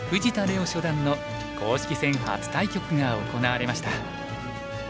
央初段の公式戦初対局が行われました。